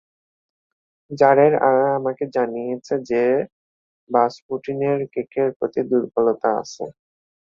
জারের আয়া আমাকে জানিয়েছে যে রাসপুটিনের কেকের প্রতি দুর্বলতা আছে।